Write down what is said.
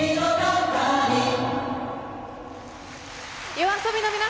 ＹＯＡＳＯＢＩのお二人